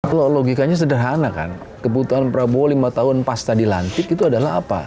kalau logikanya sederhana kan kebutuhan prabowo lima tahun pasta dilantik itu adalah apa